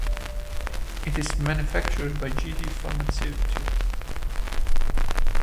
It is manufactured by G D Pharmaceuticals.